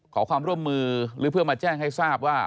ขอความร่วมมือหรือเพื่อมาแจ้งให้ทราบว่า